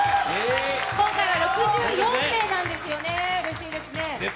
今回は６４名なんですよね、うれしいですね。